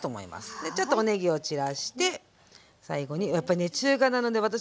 でちょっとおねぎを散らして最後にやっぱりね中華なので私はね